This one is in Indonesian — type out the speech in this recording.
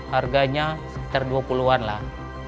harganya sekitar dua puluh an lah